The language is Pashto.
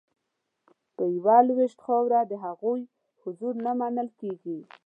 په یوه لوېشت خاوره د هغوی حضور نه منل کیږي